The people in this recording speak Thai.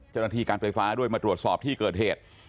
เจ้าหน้าที่การไฟฟ้าด้วยมาตรวจสอบที่เกิดเหตุ